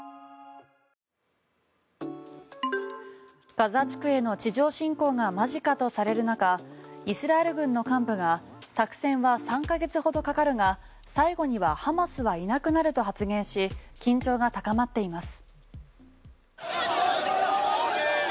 ガザ地区への地上侵攻が間近とされる中イスラエル軍の幹部が作戦は３ヶ月ほどかかるが最後にはハマスはいなくなると発言し、緊張が高まっています。